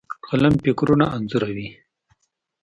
قلم فکرونه انځوروي.